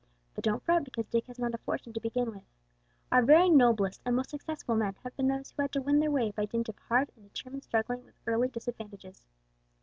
"But don't fret because Dick has not a fortune to begin with. Our very noblest and most successful men have been those who had to win their way by dint of hard and determined struggling with early disadvantages.